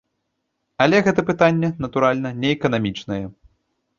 Але гэта пытанне, натуральна, не эканамічнае.